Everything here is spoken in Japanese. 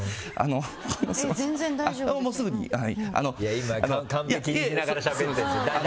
今、カンペ気にしながらしゃべってるんですよ。